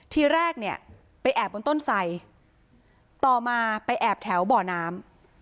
ทีแรกเนี่ยไปแอบบนต้นไสต่อมาไปแอบแถวบ่อน้ำ